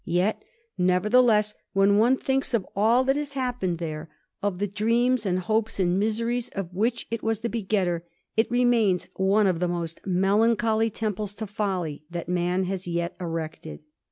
Yet, nevertheless, when one thinks of all that has happened there, of the dreams and hopes and miseries of which it was the begetter, it remains one of the most melancholy temples to folly that man has yet erected.